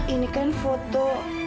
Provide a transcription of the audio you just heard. ini kan foto